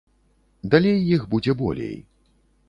Далей іх будзе болей.